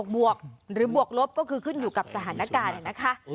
บวกหรือบวกลบก็คือขึ้นอยู่กับสถานการณ์นะคะ